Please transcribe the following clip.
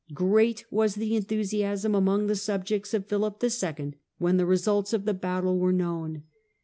Great was the enthusiasm among the subjects of Philip II. when the results of the battle were known.